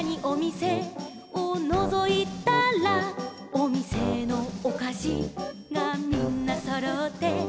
「おみせのおかしがみんなそろって」